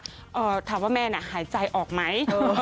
ขอถามว่าแม่หายใจออกมั้ย